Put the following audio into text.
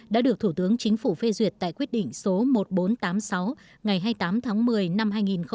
đã được thủ tướng chính phủ phê duyệt tại quyết định số một nghìn bốn trăm tám mươi sáu ngày hai mươi tám tháng một mươi năm hai nghìn một mươi